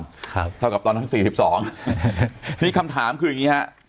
ครับเท่ากับตอนนั้นสี่สิบสองนี่คำถามคืออย่างงี้ฮะ